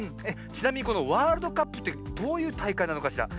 ちなみにこのワールドカップってどういうたいかいなのかしら？